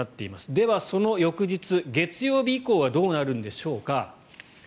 では、その翌日、月曜日以降はどうなるんでしょうか。